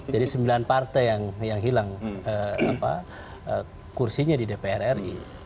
jadi sembilan partai yang hilang kursinya di dpr ri